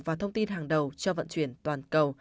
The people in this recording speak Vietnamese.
và thông tin hàng đầu cho vận chuyển toàn cầu